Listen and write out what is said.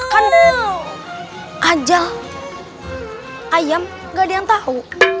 kan ajal ayam gak ada yang tahu